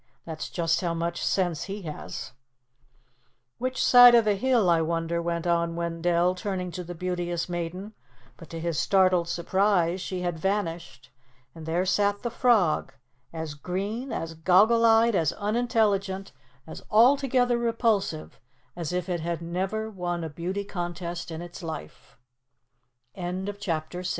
That's just how much sense he has." "Which side of the hill, I wonder," went on Wendell, turning to the Beauteous Maiden, but to his startled surprise, she had vanished, and there sat the frog, as green, as goggle eyed, as unintelligent, as altogether repulsive as if it had never won a beauty contest in it